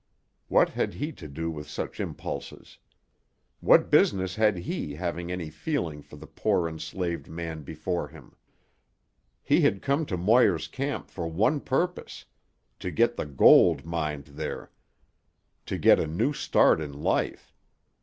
What had he to do with such impulses? What business had he having any feeling for the poor enslaved man before him? He had come to Moir's camp for one purpose: to get the gold mined there, to get a new start in life.